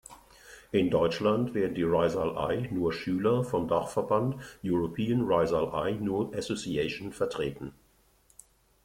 In Deutschland werden die Risale-i Nur Schüler vom Dachverband „European Risale-i Nur Association“ vertreten.